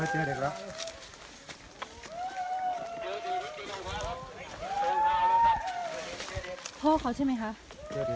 หมดเลยน่ารายหมดเลย